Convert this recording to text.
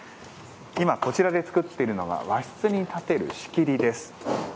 今、こちらで作っているのが和室に立てる仕切りです。